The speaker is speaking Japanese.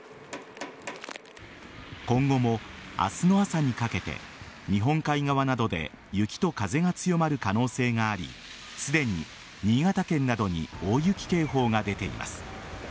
今後も明日の朝にかけて日本海側などで雪と風が強まる可能性がありすでに新潟県などに大雪警報が出ています。